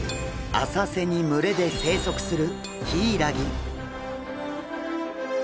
浅瀬に群れで生息するヒイラギ。